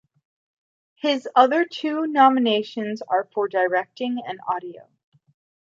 His other two nominations are for directing and audio.